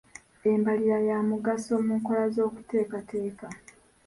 Embalirira ya mugaso mu nkola z'okuteekateeka.